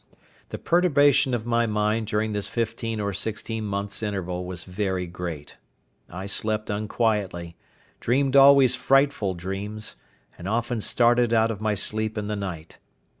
The perturbation of my mind during this fifteen or sixteen months' interval was very great; I slept unquietly, dreamed always frightful dreams, and often started out of my sleep in the night.